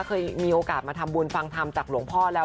เคยมีโอกาสมาทำบุญฟังธรรมจากหลวงพ่อแล้ว